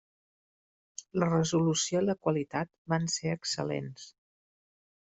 La resolució i la qualitat van ser excel·lents.